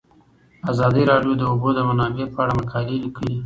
ازادي راډیو د د اوبو منابع د اغیزو په اړه مقالو لیکلي.